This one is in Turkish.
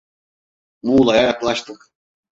Muğla'ya yaklaştık.